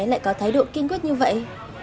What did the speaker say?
lại có thái độ kiên quyết như vậy